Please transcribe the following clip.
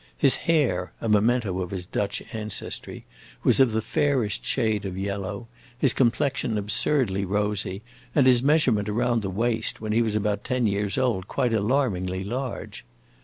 His hair, a memento of his Dutch ancestry, was of the fairest shade of yellow, his complexion absurdly rosy, and his measurement around the waist, when he was about ten years old, quite alarmingly large.